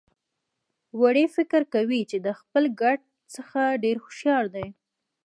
وری فکر کوي چې د خپل ګډ څخه ډېر هوښيار دی.